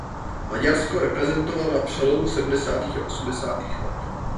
Maďarsko reprezentoval na přelomu sedmdesátých a osmdesátých let.